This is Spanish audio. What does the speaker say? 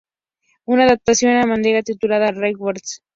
Una adaptación a manga titulada "Rail Wars!